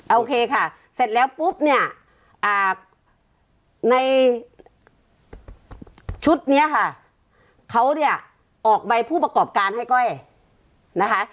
โอเคค่ะเสร็จแล้วปุ๊บเนี่ยในชุดนี้ค่ะเขาเนี่ยออกใบผู้ประกอบการให้ก้อยนะคะ